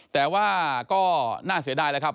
แต่ว่าก็น่าเสียดายแล้วครับ